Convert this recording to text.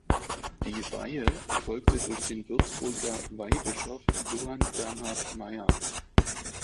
Die Weihe erfolgte durch den Würzburger Weihbischof Johann Bernhard Mayer.